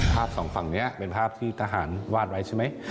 สองฝั่งนี้เป็นภาพที่ทหารวาดไว้ใช่ไหม